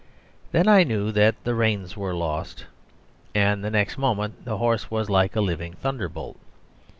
Then I knew that the reins were lost, and the next moment the horse was like a living thunder bolt.